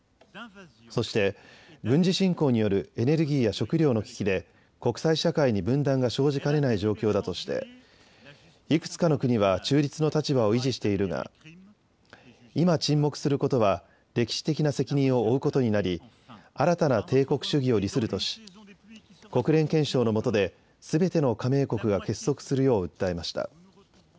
そして軍事侵攻によるエネルギーや食料の危機で国際社会に分断が生じかねない状況だとしていくつかの国は中立の立場を維持しているが今、沈黙することは歴史的な責任を負うことになり新たな帝国主義を利するとし国連憲章のもとですべての加盟国が結束するよう訴えました。